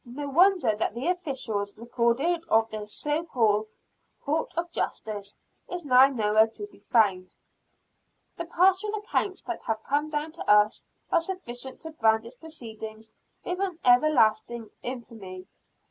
No wonder that the official record of this co called court of justice is now nowhere to be found. The partial accounts that have come down to us are sufficient to brand its proceeding with everlasting infamy.